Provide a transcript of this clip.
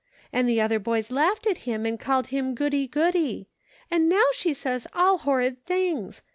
And the other boys laughed at him and called him 'Goody, Goody.' And now she says all horrid things